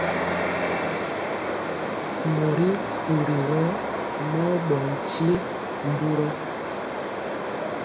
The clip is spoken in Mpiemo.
Mori puri gɔ mɔɔ ɓɔ nkye mburɔ.